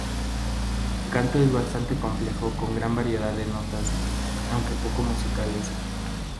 El canto es bastante complejo con gran variedad de notas, aunque poco musicales.